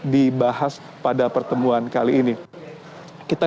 dibahas pada pertemuan kali ini